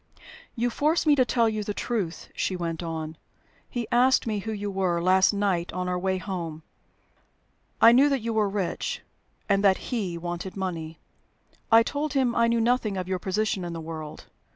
"You force me to tell you the truth," she went on. "He asked me who you were, last night on our way home. I knew that you were rich, and that he wanted money. I told him I knew nothing of your position in the world.